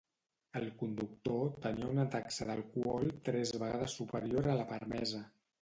El conductor tenia una taxa d'alcohol tres vegades superior a la permesa.